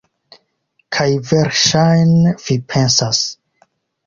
Kaj verŝajne vi pensas: